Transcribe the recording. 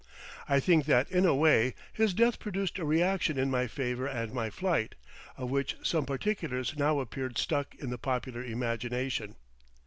I think that in a way, his death produced a reaction in my favour and my flight, of which some particulars now appeared stuck in the popular imagination.